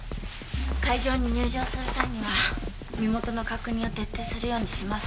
会場に入場する際には身元の確認を徹底するようにします